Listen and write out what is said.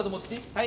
はい。